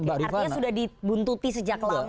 artinya sudah dibuntuti sejak lama